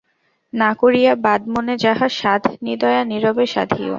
না করিয়া বাদ মনে যাহা সাধ নিদয়া নীরবে সাধিয়ো।